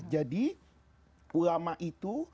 jadi ulama itu